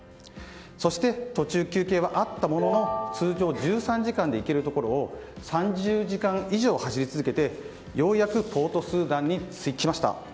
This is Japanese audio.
そして、途中休憩はあったものの通常１３時間で行けるところを３０時間以上走り続けてようやくポートスーダンに着きました。